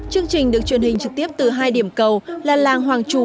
chương trình được truyền hình trực tiếp từ hai điểm cầu là làng hoàng trù